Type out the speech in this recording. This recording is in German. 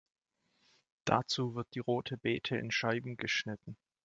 Dazu wird die Rote Bete in Scheiben geschnitten.